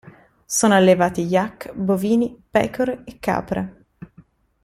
Sono allevati yak, bovini, pecore e capre.